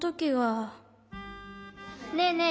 ねえねえ